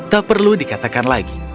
tak perlu dikatakan lagi